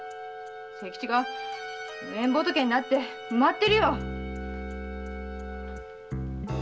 清吉が無縁仏になって埋まってるよ！